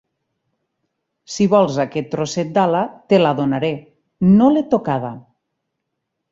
Si vols aquest troçet d'ala, te la donaré. No l'he tocada.